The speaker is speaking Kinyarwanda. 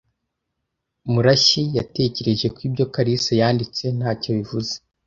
Murashyi yatekereje ko ibyo Kalarisa yanditse ntacyo bivuze.